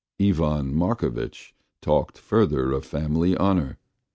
Ivan Markovitch talked further of family honour.